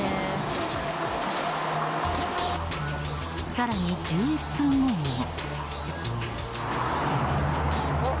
更に１１分後にも。